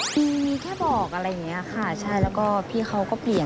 มีแค่บอกอะไรอย่างนี้ค่ะใช่แล้วก็พี่เขาก็เปลี่ยน